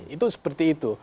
itu seperti itu